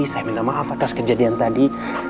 saya minta maaf atas kejadian tadi